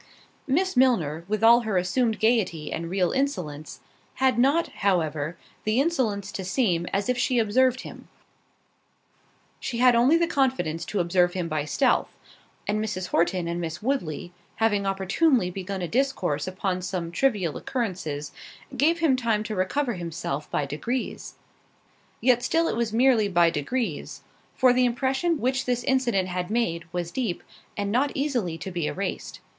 Miss Milner, with all her assumed gaiety and real insolence, had not, however, the insolence to seem as if she observed him; she had only the confidence to observe him by stealth. And Mrs. Horton and Miss Woodley, having opportunely begun a discourse upon some trivial occurrences, gave him time to recover himself by degrees—yet, still it was merely by degrees; for the impression which this incident had made, was deep, and not easily to be erased.